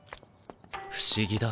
不思議だ。